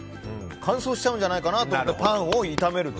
乾燥しちゃうんじゃないかと思って。